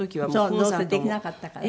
どうせできなかったから。